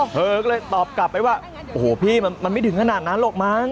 เธอก็เลยตอบกลับไปว่าโอ้โหพี่มันไม่ถึงขนาดนั้นหรอกมั้ง